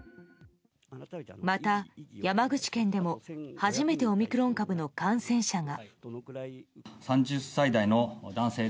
また、山口県でも初めてオミクロン株の感染者が。